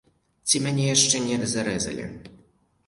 Ці мяне яшчэ не зарэзалі?